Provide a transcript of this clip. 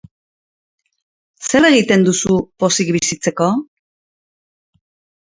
Zer egiten duzu pozik bizitzeko?